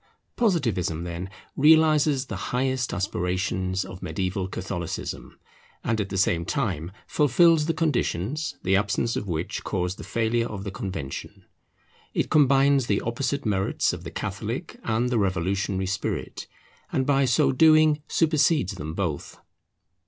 Positivism, then, realizes the highest aspirations of mediaeval Catholicism, and at the same time fulfils the conditions, the absence of which caused the failure of the Convention. It combines the opposite merits of the Catholic and the Revolutionary spirit, and by so doing supersedes them both.